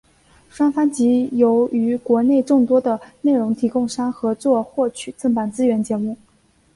双方藉由与国内众多的内容提供商合作获取正版节目资源。